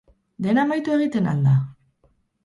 Dena amaitu egiten al da?